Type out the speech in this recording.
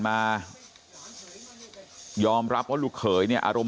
กระดิ่งเสียงเรียกว่าเด็กน้อยจุดประดิ่ง